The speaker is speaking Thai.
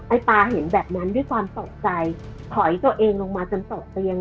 ตาเห็นแบบนั้นด้วยความตกใจถอยตัวเองลงมาจนตกเตียง